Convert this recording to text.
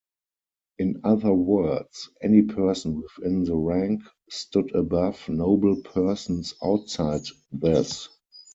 In other words, any person within the rank stood above noble persons outside this.